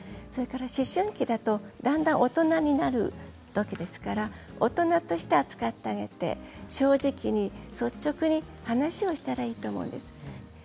それから思春期だとだんだん大人になるときですから大人として扱ってあげて正直に率直に話をしたらいいと思います。